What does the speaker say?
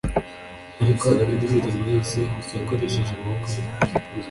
Ariko indi mirimo yose yakoresheje amabokoye